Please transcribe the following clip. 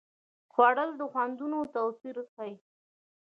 خوړل د خوندونو توپیر ښيي